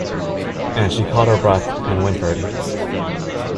And she caught her breath and whimpered.